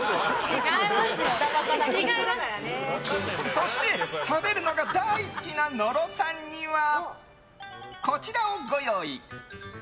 そして、食べるのが大好きな野呂さんにはこちらをご用意。